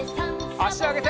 あしあげて！